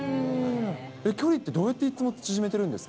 距離ってどうやっていつも縮めてるんですか？